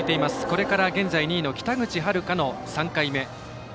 これから、現在２位の北口榛花の３回目。